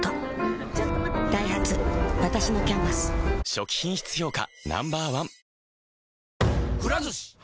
初期品質評価